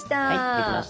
できました。